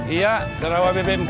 iya kerawak bp empat